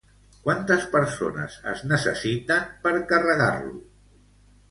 Quantes persones es necessiten per carregar-lo?